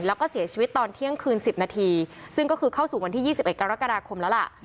แล้วก็เสียชีวิตตอนเที่ยงคืน๑๐นาทีซึ่งก็คือเข้าสู่วันที่๒๑กรกฎาคมแล้วล่ะ